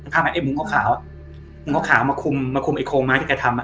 ทำใหม่ไอ้มุ้งเข้าขาวมุ้งเข้าขาวมาคุมมาคุมไอ้โคงมาที่แกทำอ่ะ